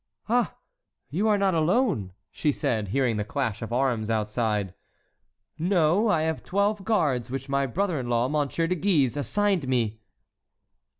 "Ah, you are not alone!" she said, hearing the clash of arms outside. "No, I have twelve guards which my brother in law, Monsieur de Guise, assigned me."